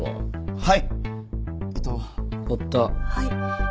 はい！